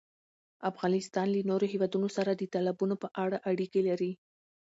افغانستان له نورو هېوادونو سره د تالابونو په اړه اړیکې لري.